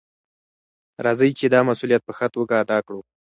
راځئ چې دا مسؤلیت په ښه توګه ادا کړو.